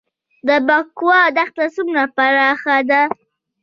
د بکوا دښته څومره پراخه ده؟